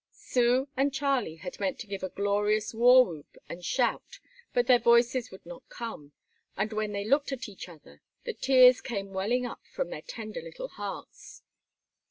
Sue and Charlie had meant to give a glorious war whoop and shout, but their voices would not come, and when they looked at each other the tears came welling up from their tender little hearts.